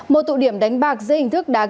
một tụ điểm đánh bạc dưới hình thức đa cơ